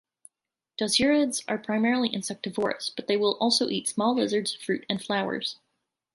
Dasyurids are primarily insectivorous, but they will also eat small lizards, fruit, and flowers.